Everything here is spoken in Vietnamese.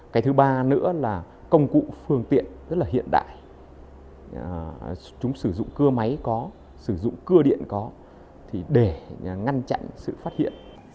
cái thứ ba nữa là công cụ phương tiện rất là hiện đại chúng sử dụng cưa máy có sử dụng cơ điện có để ngăn chặn sự phát hiện